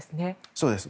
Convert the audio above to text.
そうです。